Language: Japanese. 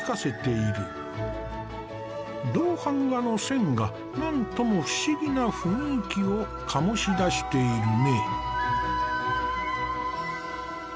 銅版画の線が何とも不思議な雰囲気を醸しだしているね。